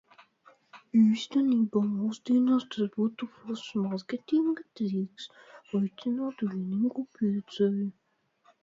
Īstenībā, mūsdienās tas būtu foršs mārketinga triks - aicināt vienīgo pircēju.